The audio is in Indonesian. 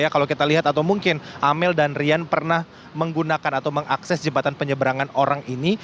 kalau kita lihat atau mungkin amel dan rian pernah menggunakan atau mengakses jembatan penyeberangan orang ini